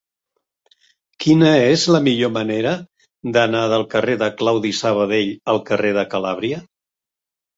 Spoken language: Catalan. Quina és la millor manera d'anar del carrer de Claudi Sabadell al carrer de Calàbria?